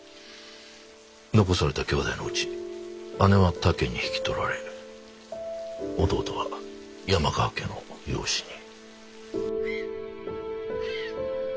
残された姉弟のうち姉は他家に引き取られ弟は山川家の養子に。